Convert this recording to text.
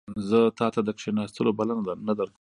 زه تا ته د کښیناستلو بلنه نه درکوم